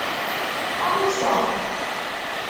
A Musa!